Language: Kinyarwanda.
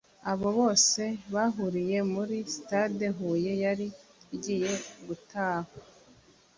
Aba bose bahuriye muri sitade Huye yari igiye gutahwa